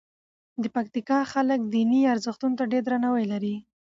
د پکتیکا خلک دیني ارزښتونو ته ډېر درناوی لري.